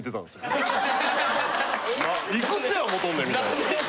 いくつや思とんねんみたいな。